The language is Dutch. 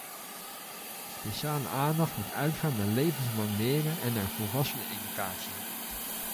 Speciale aandacht moet uitgaan naar levenslang leren en naar volwasseneneducatie.